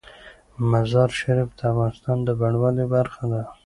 مزارشریف د افغانستان د بڼوالۍ برخه ده.